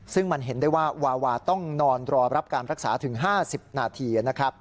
ซึ่งมันเห็นได้ว่าวาวาต้องนอนรอรับการรักษาถึง๕๐นาที